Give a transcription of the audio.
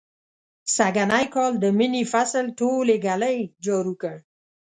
سږنی کال د مني فصل ټول ږلۍ جارو کړ.